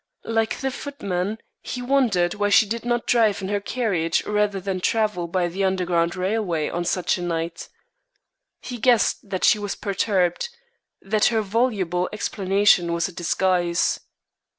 Like the footman, he wondered why she did not drive in her carriage rather than travel by the Underground Railway on such a night. He guessed that she was perturbed that her voluble explanation was a disguise.